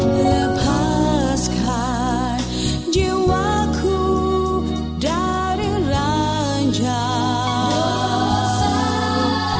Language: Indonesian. lepaskan jiwaku dari ranjang